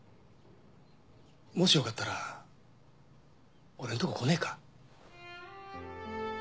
もしよかったら俺んとこ来ねえか？